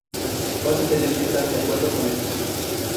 Vas a tener que estar de acuerdo con esto.